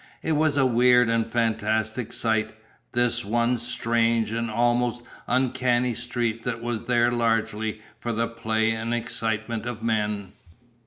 It was a weird and fantastic sight this one strange and almost uncanny street that was there largely for the play and the excitement of men.